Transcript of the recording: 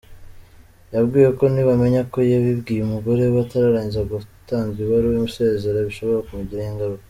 Yabwiwe ko nibamenya ko yabibwiye umugore we atararangiza gutanga ibaruwa isezera bishobora kumugiraho ingaruka.